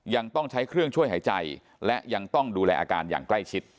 ยังต้องใช้เครื่องช่วยหายใจและยังต้องดูแลอาการอย่างใกล้ชิด